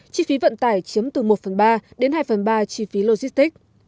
chi phí vận tải chiếm từ một phần ba đến hai phần ba chi phí logistics